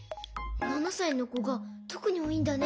７さいのこがとくにおおいんだね。